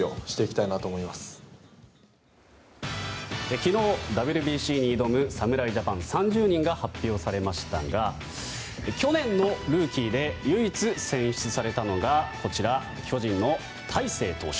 昨日、ＷＢＣに挑む侍ジャパン３０人が発表されましたが去年のルーキーで唯一選出されたのが、こちら巨人の大勢投手。